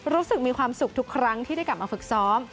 รู้สึกมีความสุขทุกครั้งที่ได้กลับมาฝึกซ้อม